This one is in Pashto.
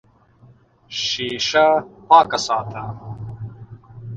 شیشه پاکه ساته.